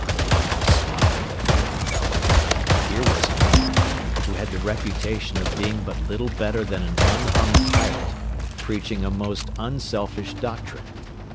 I smiled at the little fellow. Here was a man, who had the reputation of being but little better than an unhung pirate, preaching a most unselfish doctrine.